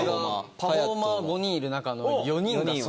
パフォーマー５人いる中の４人が。